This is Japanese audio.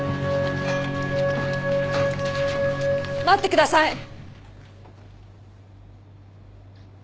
待ってください！